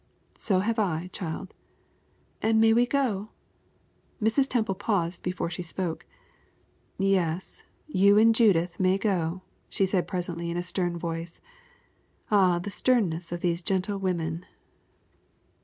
"So have I, child." "And may we go?" Mrs. Temple paused before she spoke. "Yes, you and Judith may go," she said presently in a stern voice ah! the sternness of these gentle women!